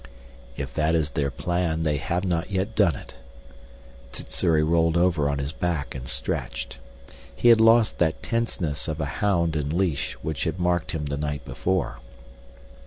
"If that is their plan, they have not yet done it." Sssuri rolled over on his back and stretched. He had lost that tenseness of a hound in leash which had marked him the night before.